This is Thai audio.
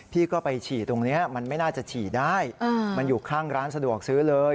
พี่ก็ไปฉี่ตรงนี้มันไม่น่าจะฉี่ได้มันอยู่ข้างร้านสะดวกซื้อเลย